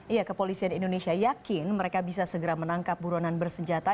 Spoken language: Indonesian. iya kepolisian indonesia yakin mereka bisa segera menangkap buronan bersenjata